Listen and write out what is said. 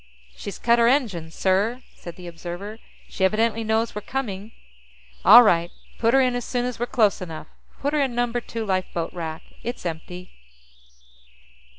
"She's cut her engines, sir!" said the observer. "She evidently knows we're coming." "All right. Pull her in as soon as we're close enough. Put her in Number Two lifeboat rack; it's empty."